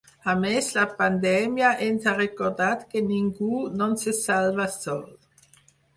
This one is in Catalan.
A més, “la pandèmia ens ha recordat que ningú no se salva sol”.